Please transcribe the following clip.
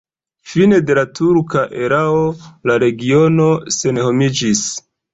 Fine de la turka erao la regiono senhomiĝis.